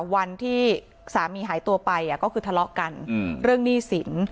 วันที่สามีหายตัวไปก็คือทะเลาะกันเรื่องหนี้สิน